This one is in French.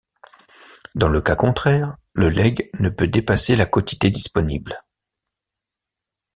Dans le cas contraire, le legs ne peut dépasser la quotité disponible.